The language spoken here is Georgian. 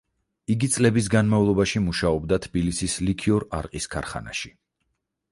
იგი წლების განმავლობაში მუშაობდა თბილისის ლიქიორ–არყის ქარხანაში.